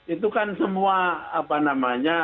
itu kan semua apa namanya